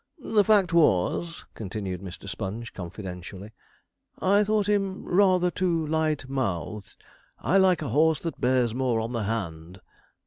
The fact was,' continued Mr. Sponge, confidentially, 'I thought him rather too light mouthed; I like a horse that bears more on the hand.'